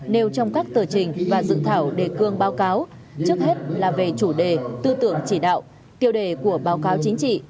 nêu trong các tờ trình và dự thảo đề cương báo cáo trước hết là về chủ đề tư tưởng chỉ đạo tiêu đề của báo cáo chính trị